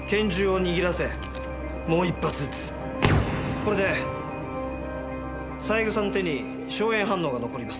これで三枝の手に硝煙反応が残ります。